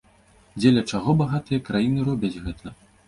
Дзеля чаго багатыя краіны робяць гэта?